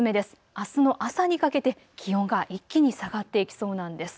あすの朝にかけて気温が一気に下がっていきそうなんです。